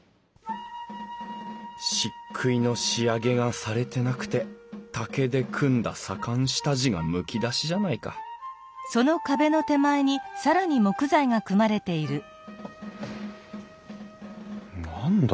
しっくいの仕上げがされてなくて竹で組んだ左官下地がむき出しじゃないか何だ？